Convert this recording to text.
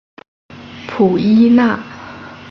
普伊奈。